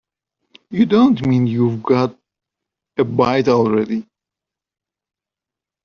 You don't mean you've got a bite already?